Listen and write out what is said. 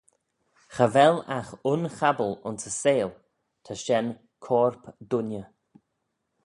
Cha vel agh un chabal ayns yn seihll ta shen corp dooinney.